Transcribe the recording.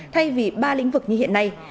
thay vì ba lĩnh vực như hiện nay